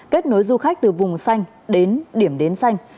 kết nối du khách từ vùng xanh đến điểm đến xanh